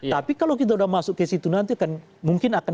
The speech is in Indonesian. tapi kalau kita sudah masuk ke situ nanti akan mungkin akan